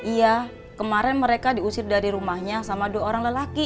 iya kemarin mereka diusir dari rumahnya sama dua orang lelaki